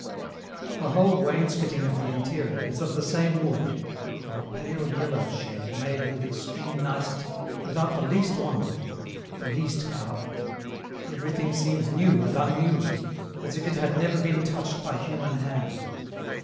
The whole wainscoting of the interior is of the same wood, of a pale yellow shade made with extreme nicety, without the least ornament, the least carving; everything seems new and unused, as if it had never been touched by human hand.